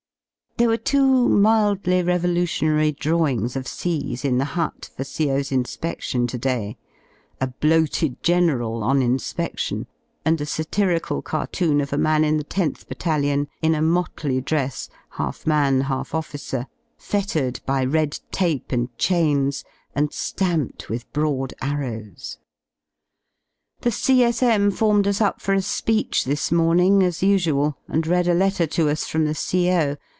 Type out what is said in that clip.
3* There were two mildly revolutionary drawings of C 's in the hut for C.O.*s inspedion to day: a bloated General on inspedion, and a satirical cartoon of a man in the lOth Battalion in a motley dress, half man half officer, fettered by red tape and chains and ^mped with broad arrows. The C.S.M. formed us up for a speech this morning as usual, and read a letter to us from the CO.